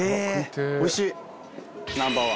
おいしい。